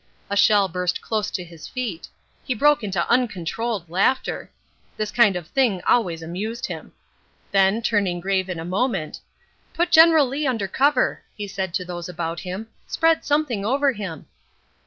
A shell burst close to his feet. He broke into uncontrolled laughter. This kind of thing always amused him. Then, turning grave in a moment, "Put General Lee under cover," he said to those about him, "spread something over him."